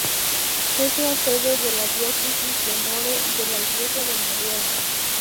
Es la sede de la Diócesis de Møre de la Iglesia de Noruega.